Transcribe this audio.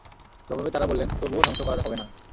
জবাবে তারা বললেনঃ তবুও ধ্বংস করা হবে না।